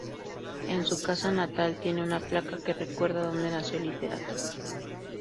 En su casa natal tiene una placa que recuerda dónde nació el literato.